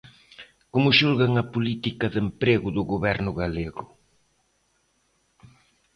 Como xulgan a política de emprego do Goberno galego?